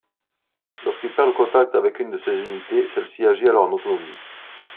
Lorsqu'il perd le contact avec une de ses unités, celle-ci agit alors en autonomie.